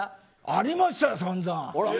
ありましたよ、さんざん。